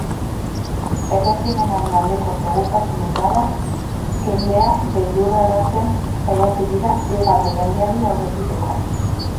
Erregimenaren aldeko segurtasun indarrak kendea beldurrarazten saiatu dira greba deialdiari aurre egiteko.